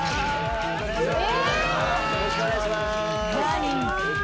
よろしくお願いします。